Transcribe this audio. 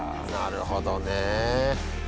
なるほどね。